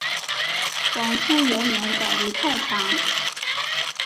黄初元年改为太常。